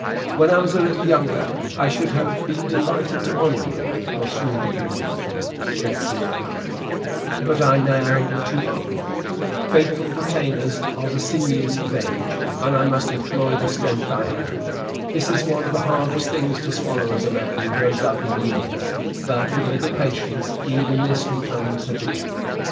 "When I was a little younger, I should have been delighted to honor you, Monsieur de Beaulieu," said Sire Alain; "but I am now too old. Faithful retainers are the sinews of age, and I must employ the strength I have. This is one of the hardest things to swallow as a man grows up in years; but with a little patience, even this becomes habitual.